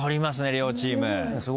両チーム。